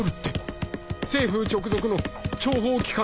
政府直属の諜報機関ですよね？